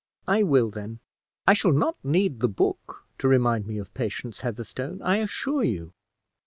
"I will, then. I shall not need the book to remind me of Patience Heatherstone, I assure you."